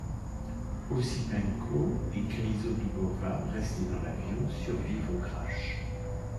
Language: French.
Osipenko et Grizodoubova, restées dans l'avion, survivent au crash.